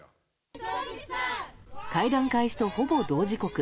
会談開始とほぼ同時刻。